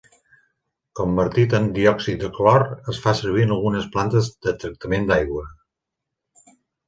Convertit en diòxid de clor es fa servir en algunes plantes de tractament d'aigua.